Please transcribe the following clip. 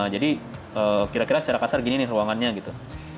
jadi kira kira secara kasar gini nih ruangannya gitu